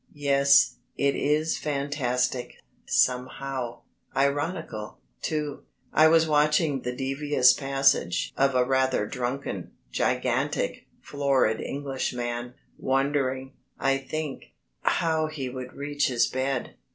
Yes, it is fantastic, somehow; ironical, too. I was watching the devious passage of a rather drunken, gigantic, florid Englishman, wondering, I think, how he would reach his bed.